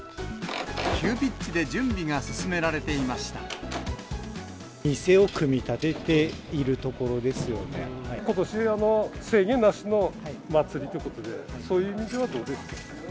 急ピッチで準備が進められていま店を組み立てているところでことしは制限なしのまつりということで、そういう意味ではどうですか？